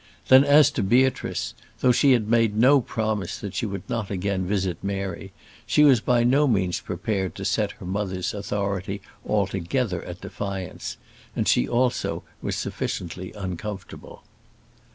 Then as to Beatrice, though she had made no promise that she would not again visit Mary, she was by no means prepared to set her mother's authority altogether at defiance; and she also was sufficiently uncomfortable.